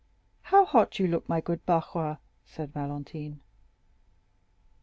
"How hot you look, my good Barrois," said Valentine.